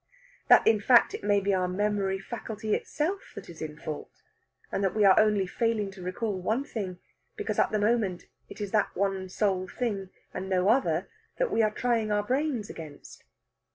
That, in fact, it may be our memory faculty itself that is in fault and that we are only failing to recall one thing because at the moment it is that one sole thing, and no other, that we are trying our brains against.